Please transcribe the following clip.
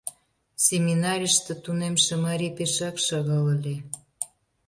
Семинарийыште тунемше марий пешак шагал ыле.